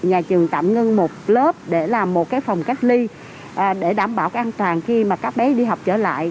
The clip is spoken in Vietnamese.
nhà trường tạm ngưng một lớp để làm một cái phòng cách ly để đảm bảo cái an toàn khi mà các bé đi học trở lại